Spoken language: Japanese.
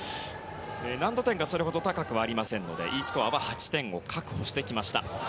難度点がそれほど高くはありませんのでＥスコアは８点を確保してきました。